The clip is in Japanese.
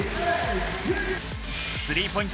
スリーポイント